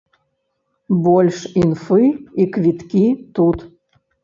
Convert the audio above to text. Больш інфы і квіткі тут.